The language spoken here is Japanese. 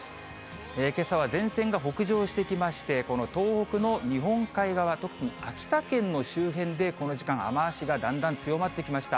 けさは前線が北上してきまして、この東北の日本海側、特に秋田県の周辺でこの時間、雨足がだんだん強まってきました。